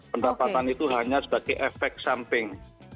pendapatan itu hanya sebagai efek samping